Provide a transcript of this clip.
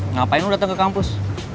ngapain lo dateng ke kampus